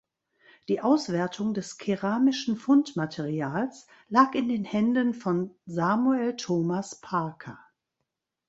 Die Auswertung des keramischen Fundmaterials lag in den Händen von Samuel Thomas Parker.